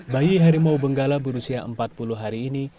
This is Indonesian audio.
bayi harimau benggala berusia empat puluh hari ini